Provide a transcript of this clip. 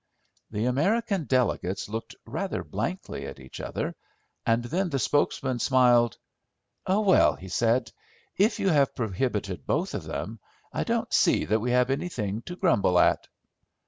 The American delegates looked rather blankly at each other, and then the spokesman smiled. "Oh, well," he said, "if you have prohibited both of them, I don't see that we have anything to grumble at."